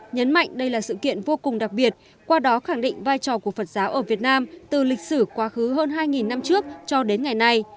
nhấn mạnh đây là sự kiện vô cùng đặc biệt qua đó khẳng định vai trò của phật giáo ở việt nam từ lịch sử quá khứ hơn hai năm trước cho đến ngày nay